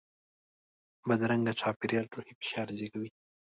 بدرنګه چاپېریال روحي فشار زیږوي